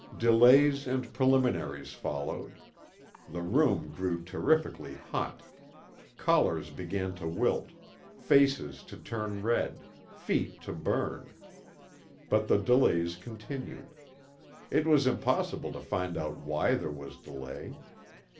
Delays and preliminaries followed. The room grew terrifically hot. Collars began to wilt, faces to turn red, feet to burn. But the delays continued. It was impossible to find out why there was delay.